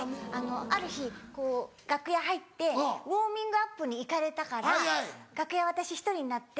ある日楽屋入ってウオーミングアップに行かれたから楽屋私１人になって。